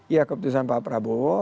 iya keputusan pak prabowo